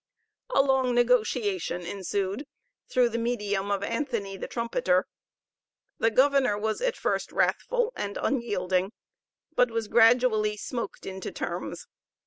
A long negotiation ensued through the medium of Anthony the Trumpeter. The governor was at first wrathful and unyielding, but was gradually smoked into terms.